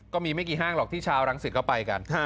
ก็มีไม่กี่ห้างหรอกที่ชาวรังสิตก็ไปกัน